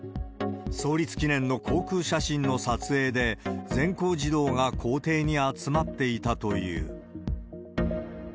創立記念の航空写真の撮影で、全校児童が校庭に集まっていたという。